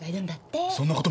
そんなことまで？